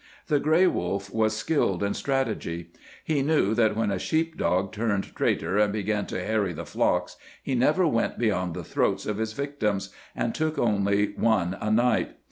The gray wolf was skilled in strategy. He knew that when a sheep dog turned traitor and began to harry the flocks, he never went beyond the throats of his victims, and took only one a night.